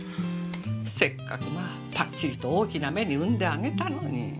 せっかくまあパッチリと大きな目に産んであげたのに。